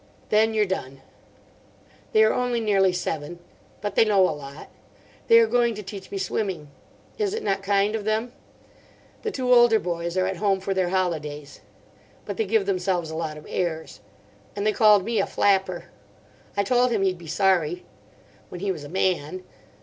Then you're done. They are only nearly seven. But they know a lot. They are going to teach me swimming. Is it not kind of them? The two older boys are at home for their holidays. But they give themselves a lot of airs. And they called me a flapper. I told him he'd be sorry. When he was a man.